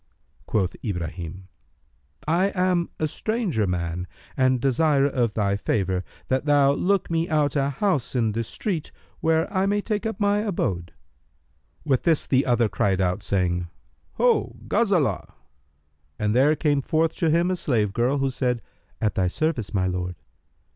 Quoth Ibrahim, "I am a stranger man and desire of thy favour that thou look me out a house in this street where I may take up my abode." With this the other cried out, saying, "Ho, Ghazбlah![FN#302]"; and there came forth to him a slave girl, who said, "At thy service, O my lord!"